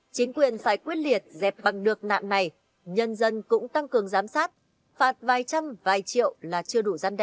chính quyền phải quyết liệt dẹp bằng được nạn này nhân dân cũng tăng cường giám sát phạt vài trăm vài triệu là chưa đủ gian đe